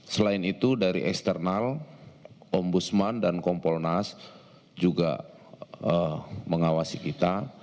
selain itu dari eksternal ombudsman dan kompolnas juga mengawasi kita